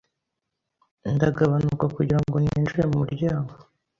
Ndagabanuka kugirango ninjire mu muryango